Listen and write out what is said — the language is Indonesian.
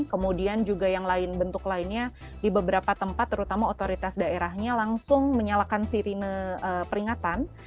kemudian juga yang lain bentuk lainnya di beberapa tempat terutama otoritas daerahnya langsung menyalakan sirine peringatan